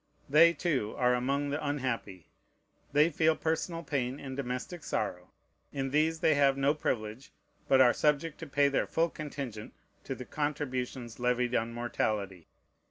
They, too, are among the unhappy. They feel personal pain and domestic sorrow. In these they have no privilege, but are subject to pay their full contingent to the contributions levied on mortality.